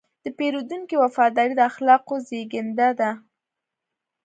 د پیرودونکي وفاداري د اخلاقو زېږنده ده.